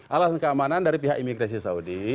alasan keamanan dari pihak imigrasi saudi